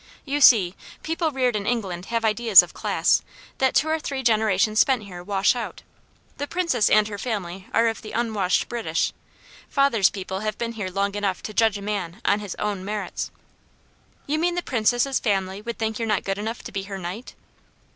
You see, people reared in England have ideas of class, that two or three generations spent here wash out. The Princess and her family are of the unwashed British. Father's people have been here long enough to judge a man on his own merits." "You mean the Princess' family would think you're not good enough to be her Knight?"